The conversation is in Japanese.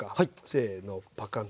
せのパカンと。